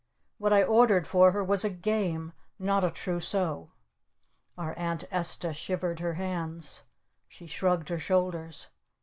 "What I ordered for her was a Game! not a Trousseau!" Our Aunt Esta shivered her hands. She shrugged her shoulders.